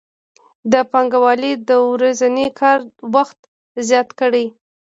که پانګوال د ورځني کار وخت زیات کړي